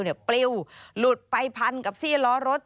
ปลิวหลุดไปพันกับซี่ล้อรถ